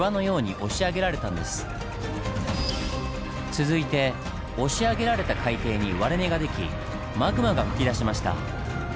続いて押し上げられた海底に割れ目が出来マグマが噴き出しました。